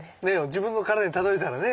自分の体に例えたらね。